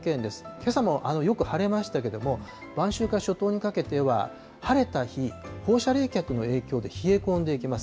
けさもよく晴れましたけれども、晩秋から初冬にかけては晴れた日、放射冷却の影響で冷え込んでいきます。